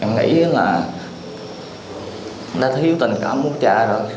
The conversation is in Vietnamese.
em nghĩ là nó thiếu tình cảm của cha rồi